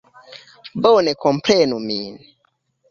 Bone komprenu min!